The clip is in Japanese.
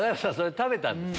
食べたんです。